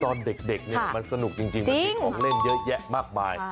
ตอนเด็กเนี่ยมันสนุกจริงมันมีของเล่นเยอะแยะมากมาย